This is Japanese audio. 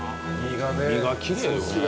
身がきれいよね。